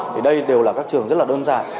thì đây đều là các trường rất đơn giản